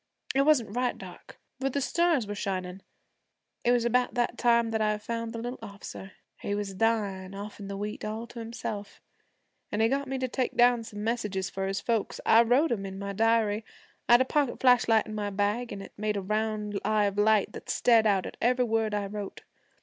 It wasn't right dark, for the stars were shinin'. It was about that time that I found the little officer. He was dyin', off in the wheat all to himself, an' he got me to take down some messages for his folks. I wrote 'em in my diary. I had a pocket flashlight in my bag, an' it made a round eye of light that stared out at every word I wrote.